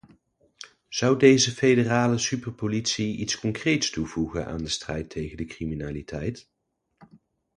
Zou deze federale superpolitie iets concreets toevoegen aan de strijd tegen de criminaliteit?